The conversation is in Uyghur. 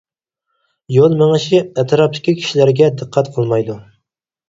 يول مېڭىشى : ئەتراپتىكى كىشىلەرگە دىققەت قىلمايدۇ.